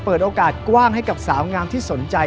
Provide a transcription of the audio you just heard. เปิดโอกาสกว้างให้กับสาวงามที่สนใจ